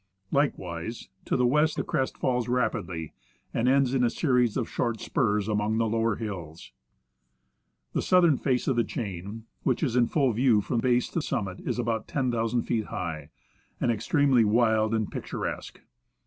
Likewise, to the west, the crest falls rapidly, and ends in a series of short spurs among the lower hills. The southern face of the chain, which is in full view from base to summit, is about 10,000 feet high, and extremely wild and picturesque.